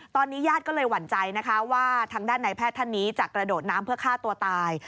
ตอนนี้ญาติก็เลยหวั่นใจนะคะว่าทางด้านในแพทย์ท่านนี้จะกระโดดน้ำเพื่อฆ่าตัวตาย